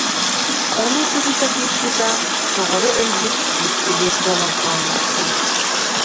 Ону тырыта тыыппытыгар көҕөрө өлбүт бэстилиэт буолан хаалла